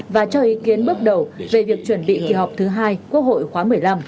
và cho ý kiến bước đầu về việc chuẩn bị kỳ họp thứ hai quốc hội khóa một mươi năm